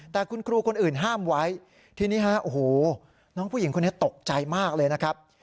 แต่คุณครูคนอื่นห้ามไว้ทีนี้ฮะโอ้โหน้องผู้หญิงคนนี้ตกใจมากเลยนะครับ